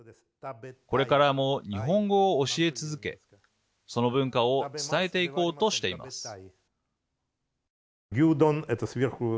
これからも日本語を教え続けその文化を伝えていこうとしています。